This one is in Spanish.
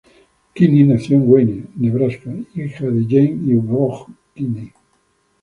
Kinney nació en Wayne, Nebraska hija de Jean y Vaughn Kinney.